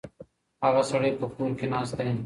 هغه سړی په کور کې ناست دی.